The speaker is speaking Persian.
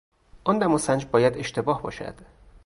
آن دماسنج باید اشتباه باشد.